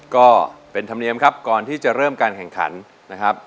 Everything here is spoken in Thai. ก็เป็นธรรมเนียมครับก่อนที่จะเริ่มการแข่งขันนะครับ